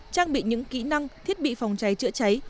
trang bị những kỹ năng thiết bị phòng cháy chữa cháy